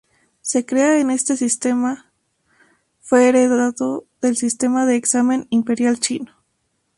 Se crea que este sistema fue heredado del sistema de examen imperial chino.